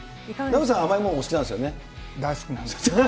名越さん、甘いものもお好きなんですよね。